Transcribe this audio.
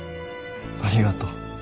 ありがとう。